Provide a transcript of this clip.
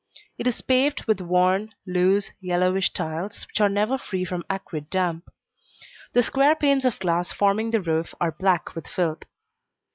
It is paved with worn, loose, yellowish tiles which are never free from acrid damp. The square panes of glass forming the roof, are black with filth.